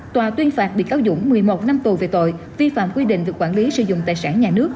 tòa tuyên phạt bị cáo dũng một mươi một năm tù về tội vi phạm quy định về quản lý sử dụng tài sản nhà nước